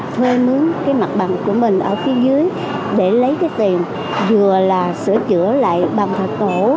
thuê mướn cái mặt bằng của mình ở phía dưới để lấy cái tiền vừa là sửa chữa lại bằng thật tổ